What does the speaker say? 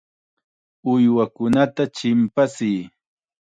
Uywakunata chimpachiy.